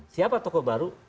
siapa tokoh baru